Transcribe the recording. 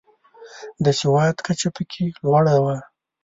د سواد کچه پکې لوړه وه.